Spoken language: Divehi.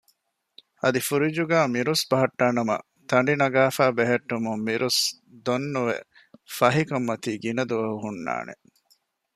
އަދި ފުރިޖުގައި މިރުސް ބަހައްޓާނަމަ ތަނޑި ނަގާފައި ބެހެއްޓުމުން މިރުސްތައް ދޮން ނުވެ ފެހިކަންމަތީ ގިނަ ދުވަހު ހުންނާނެ